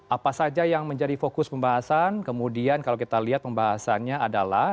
apa saja yang menjadi fokus pembahasan kemudian kalau kita lihat pembahasannya adalah